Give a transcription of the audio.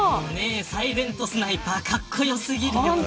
サイレントスナイパーかっこよすぎるよね。